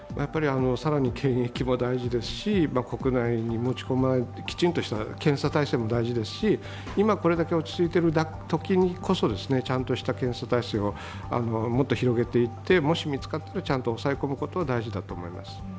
検疫も大事ですし、国内に持ち込まないきちんとした検査体制も大事ですし、今落ち着いているときにこそちゃんとした検査体制をもっと広げていってもし見つかったらちゃんと抑え込むことが大事だと思います。